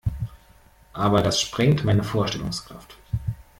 Aber das sprengt meine Vorstellungskraft.